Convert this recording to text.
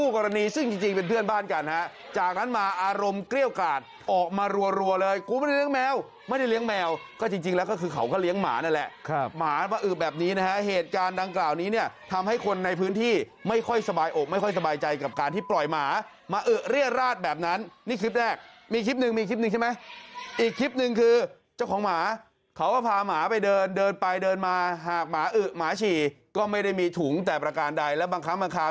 กรณีซึ่งจริงเป็นเพื่อนบ้านกันนะฮะจากนั้นมาอารมณ์เกลี้ยวกาศออกมารัวเลยกูไม่เลี้ยงแมวไม่เลี้ยงแมวก็จริงแล้วก็คือเขาก็เลี้ยงหมานั่นแหละค่ะหมาแบบนี้นะฮะเหตุการณ์ดังกล่าวนี้เนี่ยทำให้คนในพื้นที่ไม่ค่อยสบายอบไม่ค่อยสบายใจกับการที่ปล่อยหมามาเลี้ยงราดแบบนั้นนี่คลิปแรกมีคลิปหนึ่ง